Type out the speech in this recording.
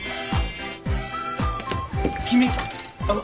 君あの。